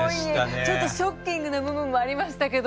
ちょっとショッキングな部分もありましたけど。